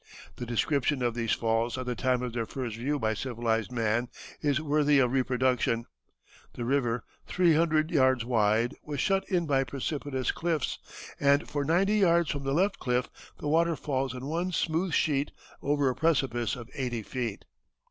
The description of these falls at the time of their first view by civilized man is worthy of reproduction. The river, three hundred yards wide, was shut in by precipitous cliffs, and "for ninety yards from the left cliff the water falls in one smooth sheet over a precipice of eighty feet.